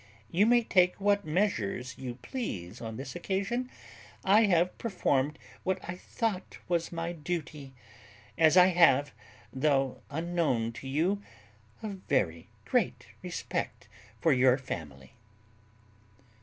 You may take what measures you please on this occasion; I have performed what I thought my duty; as I have, though unknown to you, a very great respect for your family."